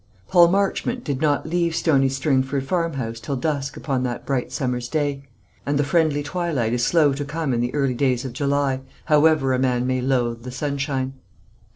Paul Marchmont did not leave Stony Stringford Farmhouse till dusk upon that bright summer's day; and the friendly twilight is slow to come in the early days of July, however a man may loathe the sunshine.